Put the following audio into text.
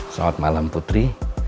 selamat malam putri